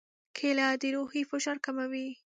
کېله د روحي فشار کموي.